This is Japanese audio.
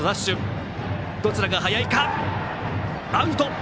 アウト！